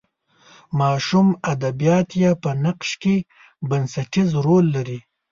ماشوم ادبیات یې په نقش کې بنسټیز رول لري.